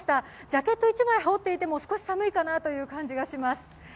ジャケット１枚羽織っていても、少し寒いかなという感じがします。